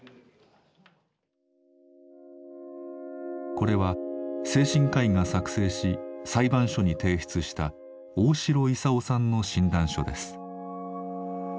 これは精神科医が作成し裁判所に提出した大城勲さんの診断書です。